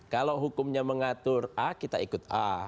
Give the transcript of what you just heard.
kalau hukumnya mengatur a kita ikut a